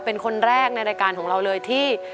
เป็นคนแรกในรายการของเราเลยที่